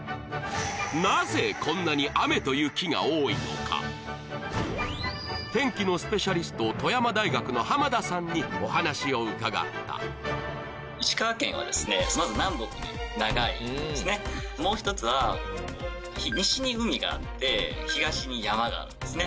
なぜこんなに雨と雪が多いのか天気のスペシャリスト富山大学の濱田さんにお話を伺ったもう一つは西に海があって東に山があるんですね